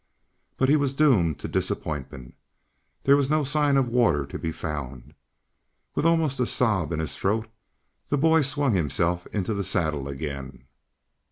But he was doomed to disappointment. There was no sign of water to be found. With almost a sob in his throat the boy swung himself into his saddle again.